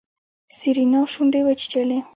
سېرېنا شونډې وچيچلې.